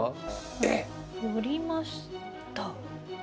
えっ⁉寄りました。